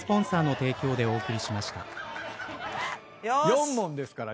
４問ですから。